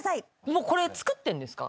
もうこれ作ってんですか？